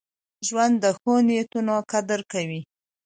ژوند د ښو نیتونو قدر کوي.